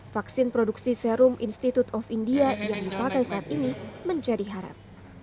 vaksin produksi serum institute of india yang dipakai saat ini menjadi harap